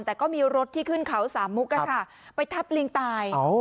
แต่ก็มีรถที่ขึ้นเขาสามมุกไปทับลิงตาย